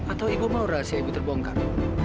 atau ibu mau rahasia ibu terbongkar